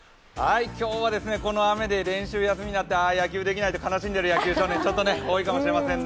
今日はこの雨で練習休みになってああ野球できないって悲しんでる野球少年が多いかもしれないです。